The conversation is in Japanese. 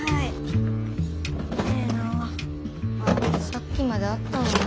さっきまであったのに。